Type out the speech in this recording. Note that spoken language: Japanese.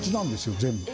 全部。